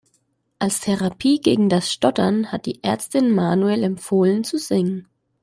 Als Therapie gegen das Stottern hat die Ärztin Manuel empfohlen zu singen.